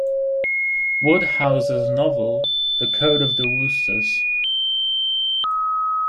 Wodehouse's novel "The Code of the Woosters".